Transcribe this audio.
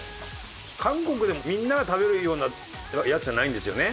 韓国でもみんなが食べるようなやつじゃないんですよね？